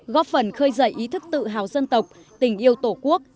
góp phần khơi dậy ý thức tự hào dân tộc tình yêu tổ quốc